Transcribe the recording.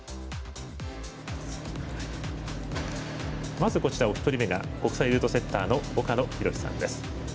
まず、お一人目が国際ルートセッターの岡野寛さんです。